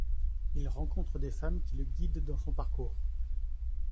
Il rencontre des femmes qui le guident dans son parcours.